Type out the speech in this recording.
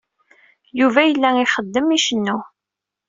Yuba yella ixeddem, icennu.